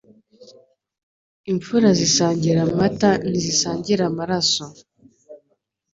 Imfura zisangira amata ntizisangira amaraso